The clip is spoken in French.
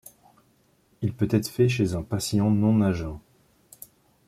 Il peut être fait chez un patient non à jeun.